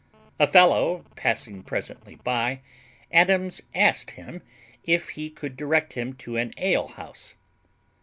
A fellow passing presently by, Adams asked him if he could direct him to an alehouse.